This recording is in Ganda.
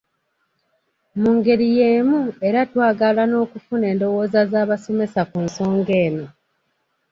Mu ngeri y'emu era twayagala n'okufuna endowooza z'abasomesa ku nsonga eno.